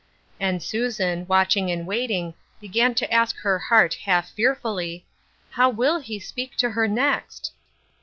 And Susan, watching and waiting, began to ask her heart half fearfully, " How will he speak to her next?"